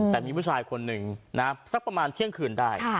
แต่มีผู้ชายคนหนึ่งนะสักประมาณเที่ยงคืนได้